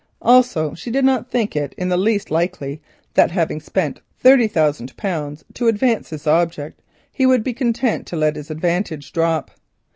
Also she did not think it in the least likely that having spent thirty thousand pounds to advance his object, he would be content to let his advantage drop.